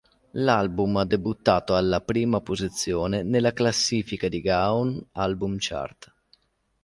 L'album ha debuttato alla prima posizione nella classifica di Gaon Album Chart.